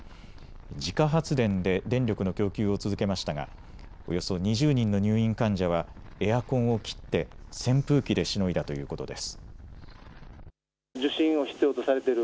自家発電で電力の供給を続けましたがおよそ２０人の入院患者はエアコンを切って扇風機でしのいだということです。